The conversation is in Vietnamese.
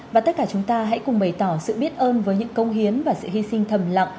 và tất cả chúng ta hãy cùng bày tỏ sự biết ơn với những công hiến và sự hy sinh thầm lặng